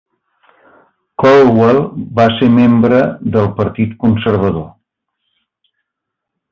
Coldwell va ser membre del Partit Conservador.